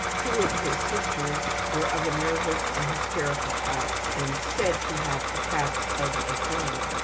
Two of his sisters were of a nervous and hysterical type and said to have attacks of aphonia.